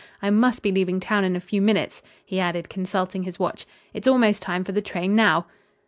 I must be leaving town in a few minutes," he added, consulting his watch. "It's almost time for the train now."